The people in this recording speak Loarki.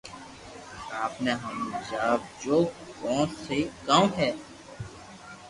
آپ ني ھماجو ڪو سھو ڪاو ھي